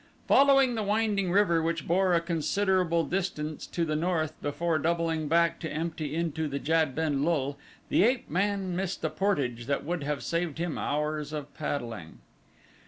Following the winding river which bore a considerable distance to the north before doubling back to empty into the Jad in lul, the ape man missed a portage that would have saved him hours of paddling.